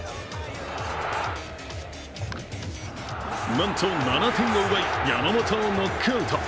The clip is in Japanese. なんと７点を奪い、山本をノックアウト。